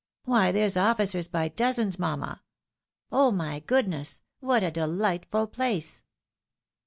Why there's oflBcers by dozens, mamma ! Oh! my goodness! what a dehghtful place